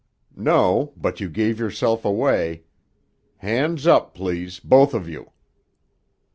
"No; but you gave yourself away. Hands up, please. Both of you."